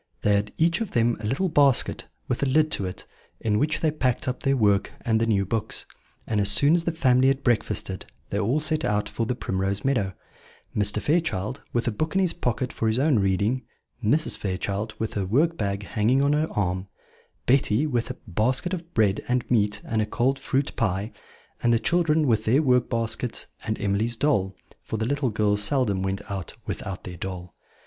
They had each of them a little basket, with a lid to it, in which they packed up their work and the new books; and, as soon as the family had breakfasted, they all set out for the Primrose Meadow: Mr. Fairchild, with a book in his pocket for his own reading; Mrs. Fairchild, with her work bag hanging on her arm; Betty, with a basket of bread and meat and a cold fruit pie; and the children with their work baskets and Emily's doll, for the little girls seldom went out without their doll.